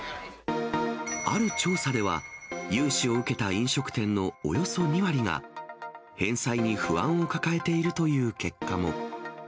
ある調査では、融資を受けた飲食店のおよそ２割が、返済に不安を抱えているという結果も。